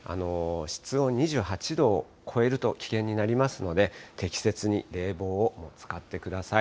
室温２８度を超えると危険になりますので、適切に冷房を使ってください。